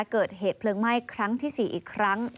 เกิดเหตุเพลิงไหม้ครั้งที่๔อีกครั้ง